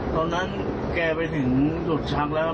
ตอนนั้นแกไปถึงหลุดชักแล้วครับ